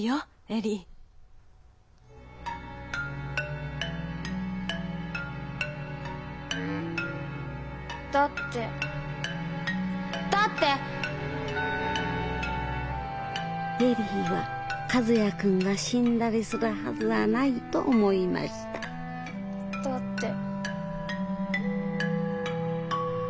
恵里は「和也君が死んだりするはずはない」と思いましただって。